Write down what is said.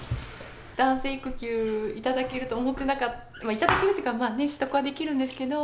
男性育休頂けると思ってなかった、頂けるというか、取得はできるんですけれども。